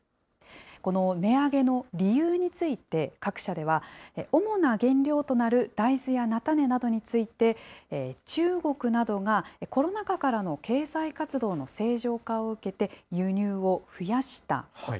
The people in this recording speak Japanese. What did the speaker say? この値上げの理由について各社では、主な原料となる大豆や菜種などについて、中国などがコロナ禍からの経済活動の正常化を受けて輸入を増やしたこと。